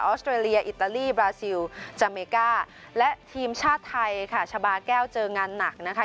สเตรเลียอิตาลีบราซิลจาเมก้าและทีมชาติไทยค่ะชาบาแก้วเจองานหนักนะคะ